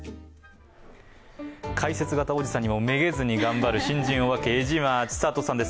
解説型おじさんにもめげずに頑張っています江島千智さんです。